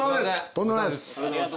とんでもないです。